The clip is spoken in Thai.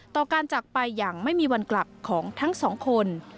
ต่อการจากไปอย่างไม่มีวันกลับของทั้งสองคน